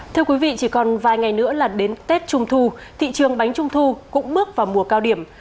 thưa quý vị chỉ còn vài ngày nữa là đến tết trung thu thị trường bánh trung thu cũng bước vào mùa cao điểm